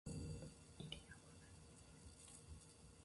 不入斗